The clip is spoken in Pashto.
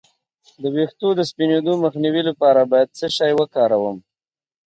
د ویښتو د سپینیدو مخنیوي لپاره باید څه شی وکاروم؟